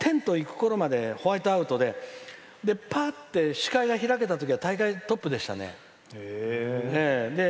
ドーンでテント行くころまでホワイトアウトでぱっと視界が開けたときには大概トップでしたね。